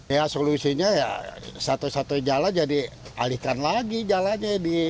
ya solusinya ya satu satu jalan jadi alihkan lagi jalannya